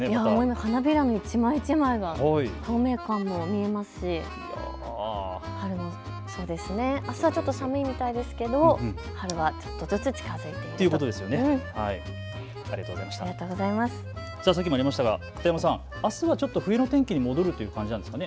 花びらも一枚一枚が透明感も見えますしあすはちょっと寒いみたいですけど、春はちょっとずつ近づいているということですよね。